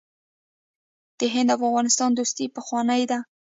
د هند او افغانستان دوستي پخوانۍ ده.